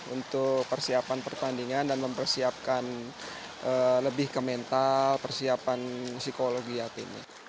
untuk persiapan pertandingan dan mempersiapkan lebih ke mental persiapan psikologi hakim